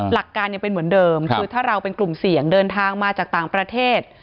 หลักการยังเป็นเหมือนเดิมคือถ้าเราเป็นกลุ่มเสี่ยงเดินทางมาจากต่างประเทศ